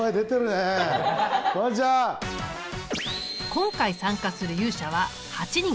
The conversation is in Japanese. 今回参加する勇者は８人。